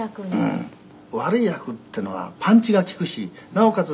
「うん」「悪い役っていうのはパンチが利くしなおかつ